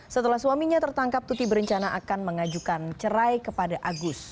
setelah suaminya tertangkap tuti berencana akan mengajukan cerai kepada agus